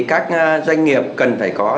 các doanh nghiệp cần phải có